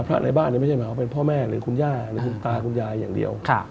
ในบ้านไม่ใช่หมายว่าเป็นพ่อแม่หรือคุณย่าหรือคุณตาคุณยายอย่างเดียว